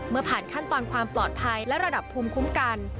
ผ่านขั้นตอนความปลอดภัยและระดับภูมิคุ้มกัน